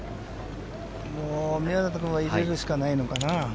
宮里君は入れるしかないのかな。